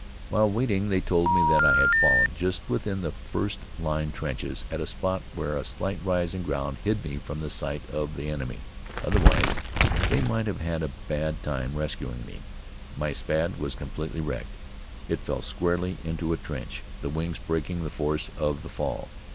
While waiting, they told me that I had fallen just within the first line trenches, at a spot where a slight rise in ground hid me from sight of the enemy. Otherwise, they might have had a bad time rescuing me. My Spad was completely wrecked. It fell squarely into a trench, the wings breaking the force of the fall.